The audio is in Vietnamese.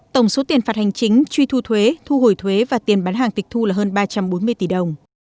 tổng số tiền phạt hành chính truy thu thuế thu hồi thuế và tiền bán hàng tịch thu là hơn ba trăm bốn mươi tỷ đồng